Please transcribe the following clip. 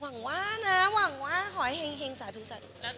หวังว่านะหวังว่าขอให้เห็งสาธุสาธุนะคะ